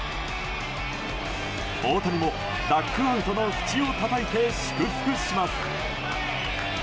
大谷もダッグアウトのふちをたたいて祝福します。